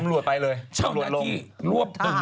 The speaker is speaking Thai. ห้ามรวดไปเลยรวดลง